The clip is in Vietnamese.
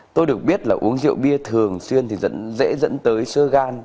tôi được biết là uống rượu bia thường xuyên thì dễ dẫn tới sơ gan